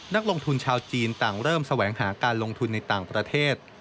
นักลงทุนชาวจีนต่างเริ่มแสวงหาการลงทุนในต่างประเทศ